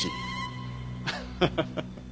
ハハハハハ。